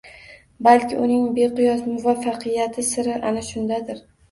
Balki uning beqiyos muvaffaqiyati siri ana shundadir